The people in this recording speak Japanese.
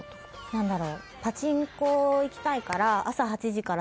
何だろう？